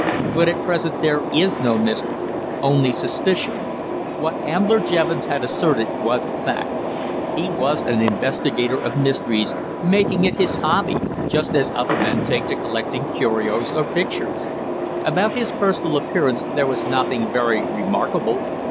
"But at present there is no mystery only suspicion." What Ambler Jevons had asserted was a fact. He was an investigator of mysteries, making it his hobby just as other men take to collecting curios or pictures. About his personal appearance there was nothing very remarkable.